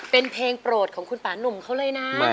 เป็นเพลงโปรดของคุณป่านุ่มเขาเลยนะ